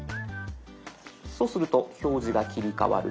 そうすると表示が切り替わると思います。